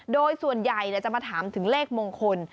โดยส่วนใหญ่จะมาถามถึงเลขมงคล